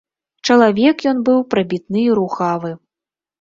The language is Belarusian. Чалавек ён быў прабітны і рухавы.